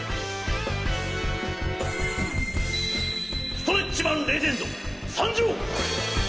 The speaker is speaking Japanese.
ストレッチマン・レジェンドさんじょう！